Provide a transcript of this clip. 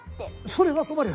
それは困る！